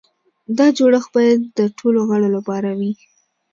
دا جوړښت باید د ټولو غړو لپاره وي.